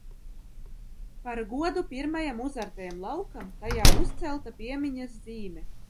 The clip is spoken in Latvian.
Par godu pirmajam uzartajam laukam tajā uzcelta piemiņas zīme.